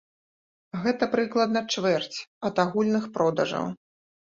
Гэта прыкладна чвэрць ад агульных продажаў.